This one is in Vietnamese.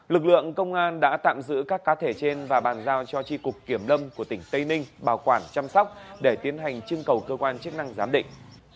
lực lượng công an đã tạm giữ các cá thể trên và bàn giao cho tri cục kiểm lâm của tỉnh tây ninh bảo quản chăm sóc để tiến hành trưng cầu cơ quan chức năng giám định